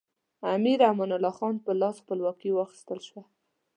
امیر امان الله خان په لاس خپلواکي واخیستل شوه.